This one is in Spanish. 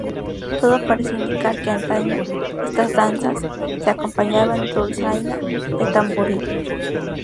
Todo parece indicar que antaño estas danzas se acompañaban de dulzaina y tamboril.